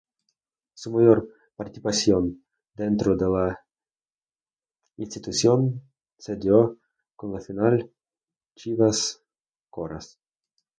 Su mayor participación dentro de la institución se dio con la filial Chivas Coras.